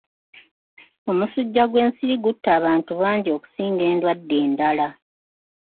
Omusujja gwe'nsiri gutta abantu bangi okusinga endwadde endala.